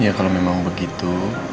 ya kalau memang begitu